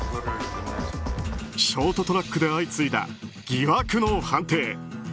ショートトラックで相次いだ疑惑の判定。